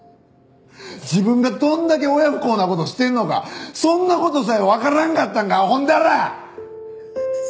自分がどんだけ親不孝な事してるのかそんな事さえわからんかったんかあほんだら！